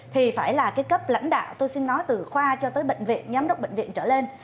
thì phải là cái cấp lãnh đạo tôi xin nói từ khoa cho tới bệnh viện giám đốc bệnh viện trở lên